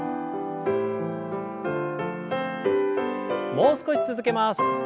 もう少し続けます。